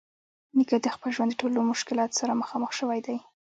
نیکه د خپل ژوند د ټولو مشکلاتو سره مخامخ شوی دی.